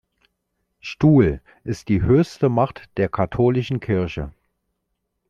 Stuhl, ist die höchste Macht der katholischen Kirche.